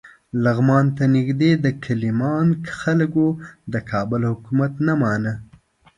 لغمان ته نږدې د کیلمان خلکو د کابل حکومت نه مانه.